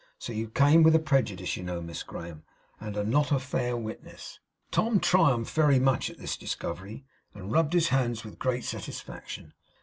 So you came with a prejudice, you know, Miss Graham, and are not a fair witness.' Tom triumphed very much in this discovery, and rubbed his hands with great satisfaction.